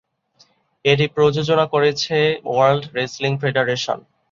এটি প্রযোজনা করেছে ওয়ার্ল্ড রেসলিং ফেডারেশন।